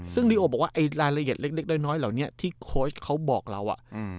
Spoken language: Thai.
ซึ่งลิโอบอกว่าไอ้รายละเอียดเล็กน้อยเหล่านี้ที่โค้ชเขาบอกเรา